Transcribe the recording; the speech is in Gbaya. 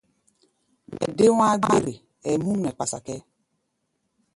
Mɛ dé wá̧á̧-gbére, ɛɛ múm bé kpasa kʼɛ́ɛ́.